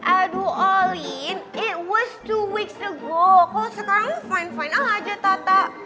adu olin it was two weeks ago kalau sekarang final aja tata